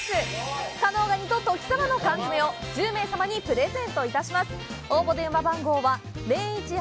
加能ガニと旬さばの缶詰を１０名様にプレゼントいたします。